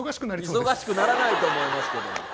忙しくならないと思いますけども。